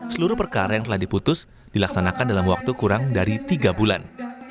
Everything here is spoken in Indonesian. seluruh perkara yang telah diputus dilaksanakan dalam waktu kurang dari tiga bulan